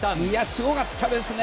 すごかったですね！